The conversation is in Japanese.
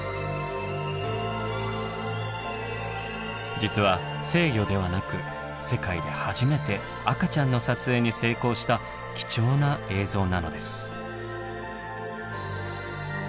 実は成魚ではなく世界で初めて赤ちゃんの撮影に成功した貴重な映像なのです。